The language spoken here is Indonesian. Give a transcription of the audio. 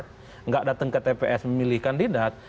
tidak datang ke tps memilih kandidat